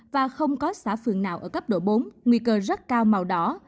và không có xã phường nào ở cấp độ bốn nguy cơ rất cao màu đỏ